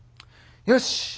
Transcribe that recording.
よし！